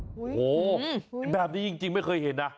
โอ้โหแบบนี้จริงไม่เคยเห็นนะ